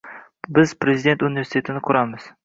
Biz prezident universitetini quramiz.